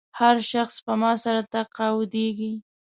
هر شخص سپما سره تقاعدېږي.